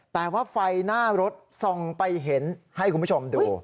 แต่ว่าไฟหน้ารถส่องไปเห็นให้คุณผู้ชมดู